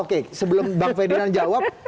oke sebelum bang ferdinand jawab